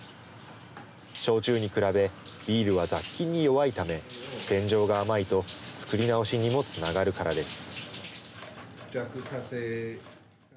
焼酎に比べ、ビールは雑菌に弱いため、洗浄が甘いと、作り直しにもつながるからです。